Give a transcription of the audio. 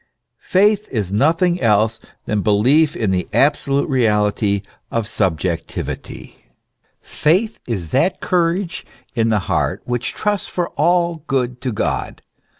Faith is nothing else than belief in the absolute reality of subjectivity. 126 THE ESSENCE OF CHEISTIANITY. "Faith is that courage in the heart which trusts for all good to God.